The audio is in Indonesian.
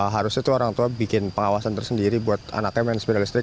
harusnya tuh orang tua bikin pengawasan tersendiri buat anaknya main sepeda listrik